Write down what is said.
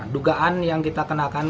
dugaan yang kita kenakan